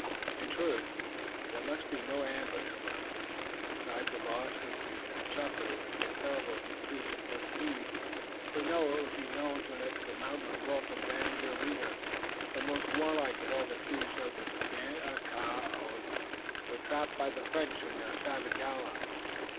In truth, there must be no ambush for us. Besides the loss which we should suffer it would be a terrible decrease of prestige for it to be known that the Mountain Wolf and Daganoweda, the most warlike of all the chiefs of the Ganeagaono, were trapped by the French and their savage allies."